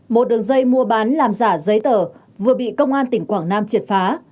một đường dây mua bán làm giả giấy tờ vừa bị công an tỉnh quảng nam triệt phá